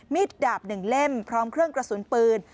ดาบ๑เล่มพร้อมเครื่องกระสุนปืน